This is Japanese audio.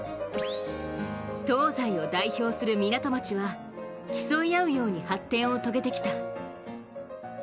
東西を代表する港町は競い合うように発展を遂げてきた。